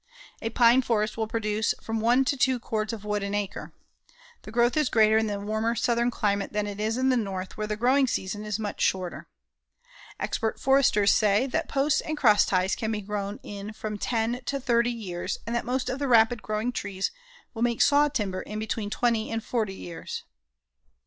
A pine forest will produce from one to two cords of wood an acre. The growth is greater in the warmer southern climate than it is in the North where the growing season is much shorter. Expert foresters say that posts and crossties can be grown in from ten to thirty years and that most of the rapid growing trees will make saw timber in between twenty and forty years.